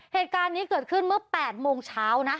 เหตุการณ์นี้เกิดขึ้นเมื่อ๘โมงเช้านะ